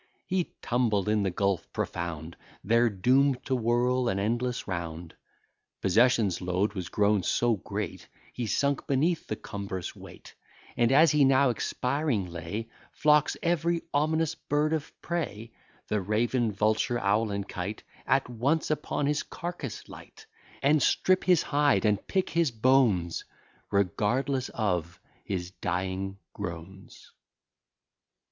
He tumbled in the gulf profound; There doom'd to whirl an endless round. Possession's load was grown so great, He sunk beneath the cumbrous weight; And, as he now expiring lay, Flocks every ominous bird of prey; The raven, vulture, owl, and kite, At once upon his carcass light, And strip his hide, and pick his bones, Regardless of his dying groans.